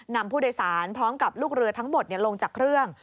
นำผู้โดยสารพร้อมกับลูกเรือทั้งหมดลงจากเครื่อง